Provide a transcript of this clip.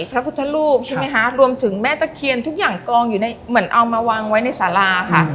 พระพุทธรูปใช่ไหมคะรวมถึงแม่ตะเคียนทุกอย่างกองอยู่ในเหมือนเอามาวางไว้ในสาราค่ะ